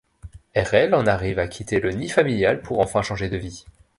Erell en arrive à quitter le nid familial pour enfin changer de vie.